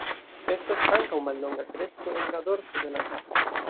Estas ankaŭ mallonga kresto en la dorso de la kapo.